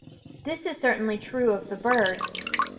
This is certainly true of the birds.